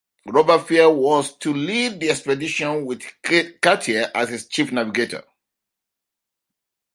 Roberval was to lead the expedition, with Cartier as his chief navigator.